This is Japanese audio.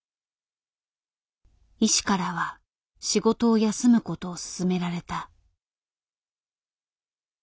医師からは仕事を休むことを勧められた。